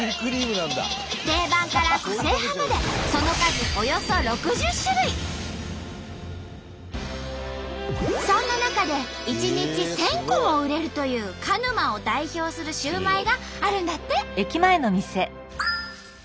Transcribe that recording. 定番から個性派までその数そんな中で１日１，０００個も売れるという鹿沼を代表するシューマイがあるんだって。